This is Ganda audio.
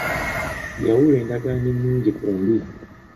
Yawula endagaano ennungi ku mbi.